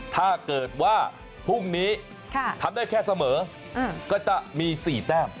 ถ้าเกิดว่าพรุ่งนี้ทำได้แค่เสมอก็จะมี๔แต้ม